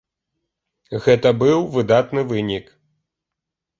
Гэта быў выдатны вынік.